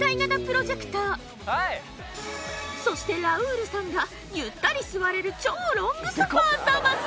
そしてラウールさんがゆったり座れる超ロングソファザマス。